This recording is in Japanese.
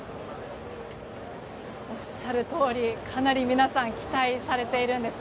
おっしゃるとおり、かなり皆さん期待されているんです。